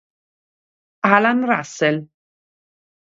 Allan Russell